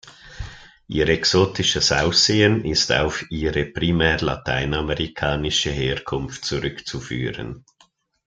Ihr exotisches Aussehen ist auf ihre primär lateinamerikanische Herkunft zurückzuführen.